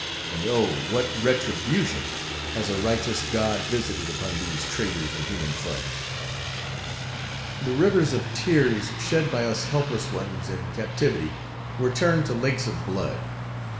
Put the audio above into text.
and, oh! what retribution has a righteous God visited upon these traders in human flesh! The rivers of tears shed by us helpless ones, in captivity, were turned to lakes of blood!